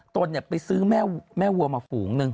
ตนไปซื้อแม่วัวมาฝูงหนึ่ง